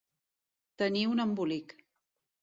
Tenir un embolic.